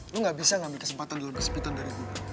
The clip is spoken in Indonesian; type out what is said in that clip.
lo gak bisa ngambil kesempatan dalam kesempitan dari gue